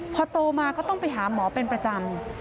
พอโตมาก็ต้องไปหาหมอเป็นประจำ